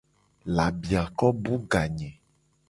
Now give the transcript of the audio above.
Labiako bu ga nye.